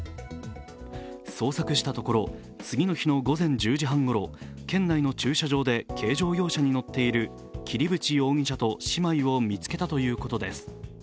捜索したところ、次の日の午前１０時半ごろ県内の駐車場で軽乗用車に乗っている桐淵容疑者と姉妹を見つけたということです。